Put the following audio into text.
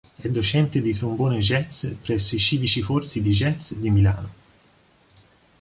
È docente di trombone Jazz presso i Civici Corsi di Jazz di Milano.